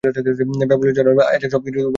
Babylon ছাড়ার সময় অ্যাজাক সবকিছু বলেছে আমাকে।